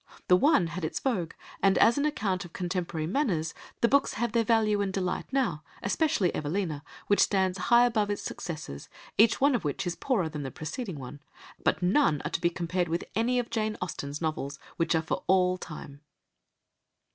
The one had its vogue, and, as an account of contemporary manners, the books have their value and delight now, especially Evelina, which stands high above its successors, each one of which is poorer than the preceding one; but none are to be compared with any of Jane Austen's novels, which are for all time.